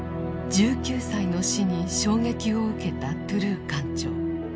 １９歳の死に衝撃を受けたトゥルー艦長。